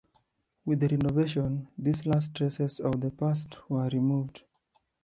With the renovation, these last traces of the past were removed.